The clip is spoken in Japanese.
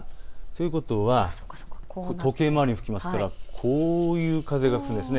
ということは時計回りに吹きますからこういう風が吹くんです。